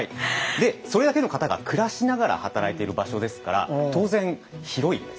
でそれだけの方が暮らしながら働いてる場所ですから当然広いんです。